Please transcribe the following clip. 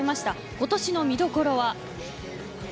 今年の見どころは。